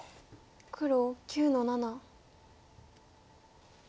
黒９の七。